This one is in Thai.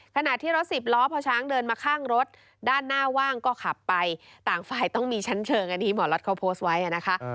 การเชิงอันนี้หมอล็อตเขาโพสต์ไว้นะคะ